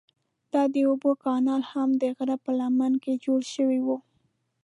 دا د اوبو کانال هم د غره په لمنه کې جوړ شوی و.